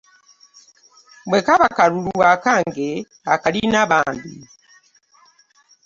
Bwe kaba kalulu akange okalina bambi.